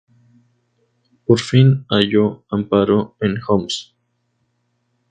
Por fin halló amparo en Homs.